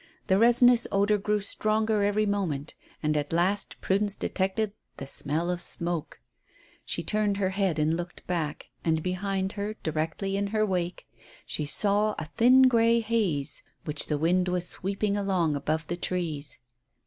The resinous odour grew stronger every moment, and at last Prudence detected the smell of smoke. She turned her head and looked back; and behind her, directly in her wake, she saw a thin grey haze which the wind was sweeping along above the trees.